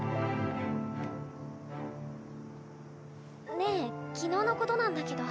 ねえ昨日のことなんだけど。